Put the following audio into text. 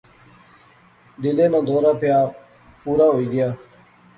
دلے ناں دورہ پیا، پورا ہوئی گیا